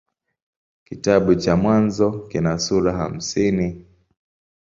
Kitabu cha Mwanzo kina sura hamsini.